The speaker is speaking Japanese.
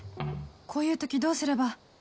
こういう時どうすれば